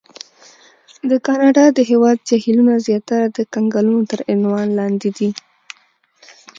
د کاناډا د هېواد جهیلونه زیاتره د کنګلونو تر عنوان لاندې دي.